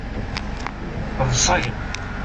Ḍṣiɣ.